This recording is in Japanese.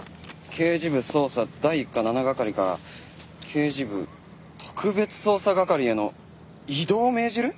刑事部捜査第一課７係から刑事部特別捜査係への異動を命じる」？